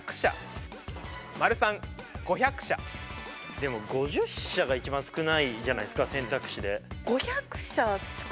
でも５０社が一番少ないじゃないですか選択肢で。